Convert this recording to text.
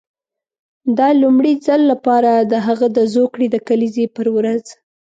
د لومړي ځل لپاره د هغه د زوکړې د کلیزې پر ورځ.